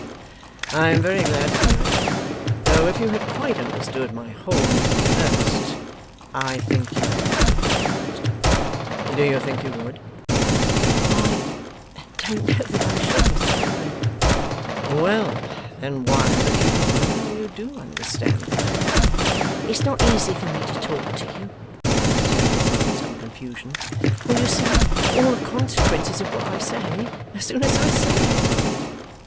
'I am very glad to hear it. Though if you had quite understood my whole meaning at first, I think you would not have refused. Do you think you would?' 'I don't know that I should, Mr Wrayburn.' 'Well! Then why refuse now you do understand it?' 'It's not easy for me to talk to you,' returned Lizzie, in some confusion, 'for you see all the consequences of what I say, as soon as I say it.